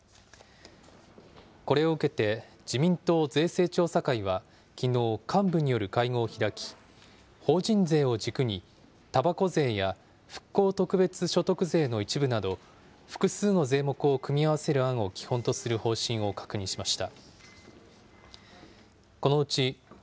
これを受けて、自民党税制調査会はきのう、幹部による会合を開き、法人税を軸に、たばこ税や復興特別所得税の一部など、複数の税目を組み合わせる案を基本とする方針を確認しました。